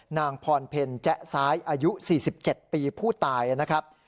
นางพรเพลแจ๊ซ้ายอายุ๔๗ปีผู้ตายนะครับ